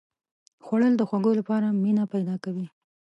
خوړل د خوږو لپاره مینه پیدا کوي